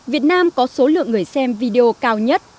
việt nam có số lượng người xem video cao nhất